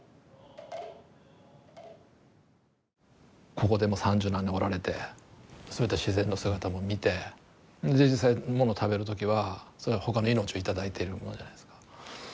ここでもう三十何年おられてそういった自然の姿も見て実際もの食べる時はそれは他の命を頂いてるものじゃないですか。